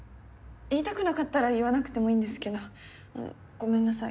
言いたくなかったら言わなくてもいいんですけどあのごめんなさい。